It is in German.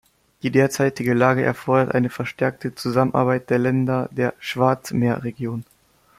Die derzeitige Lage erfordert eine verstärkte Zusammenarbeit der Länder der Schwarzmeerregion.